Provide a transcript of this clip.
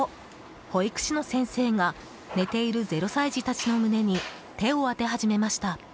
保育士の先生が寝ている０歳児たちの胸に手を当て始めました。